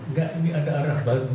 enggak ini ada arah baru